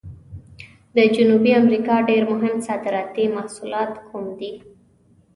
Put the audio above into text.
د جنوبي امریکا ډېر مهم صادراتي محصولات کوم دي؟